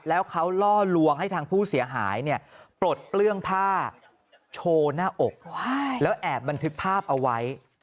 แล้วเขาล่อลวงให้ทางผู้เสียหายปลดเปลื้องผ้าโชว์หน้าอกแล้วแอบบันทึกภาพเอาไว้